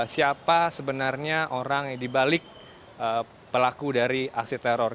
siapa sebenarnya orang dibalik pelaku dari aksi teror